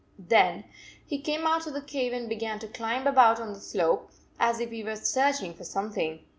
Then he came out of the cave and began to climb about on the slope, as if he were searching for something.